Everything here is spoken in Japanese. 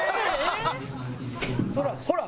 ほらほら！